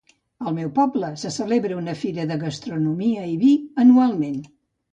Al meu poble, se celebra una fira de gastronomia i vi anualment.